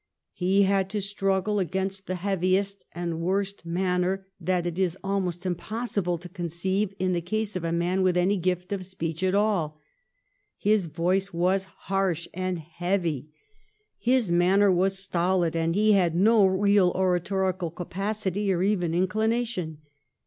He had to struggle against the heaviest and worst manner that it is almost possible to conceive in the case of a man with any gift of speech at all. His voice was harsh and heavy. His manner was stolid, and he had no real oratorical capacity or even inclination.